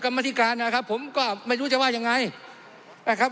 กรรมธิการนะครับผมก็ไม่รู้จะว่ายังไงนะครับ